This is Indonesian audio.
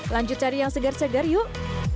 lanjut cari yang segar segar yuk